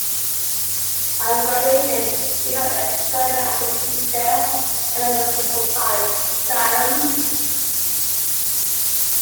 On graduation, he found employment as a teacher at Municipal College, Salem.